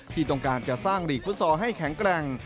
ที่ต้องการจะสร้างหลีกฟุตซอลให้แข็งแกร่ง